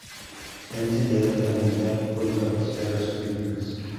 Están diseñadas para matar o incapacitar a sus víctimas.